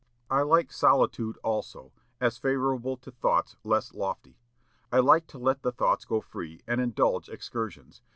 I like solitude also, as favorable to thoughts less lofty. I like to let the thoughts go free, and indulge excursions.